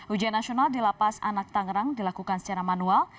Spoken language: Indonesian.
ujian nasional di lapas anak tangerang dilakukan secara manual